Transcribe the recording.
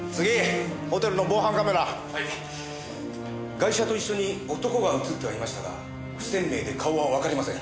ガイシャと一緒に男が映ってはいましたが不鮮明で顔はわかりません。